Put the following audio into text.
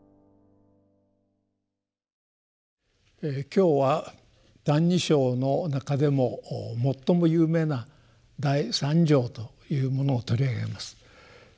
今日は「歎異抄」の中でも最も有名な第三条というものを取り上げます。